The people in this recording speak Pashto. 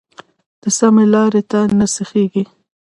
د سمې لارې ته نه سیخېږي.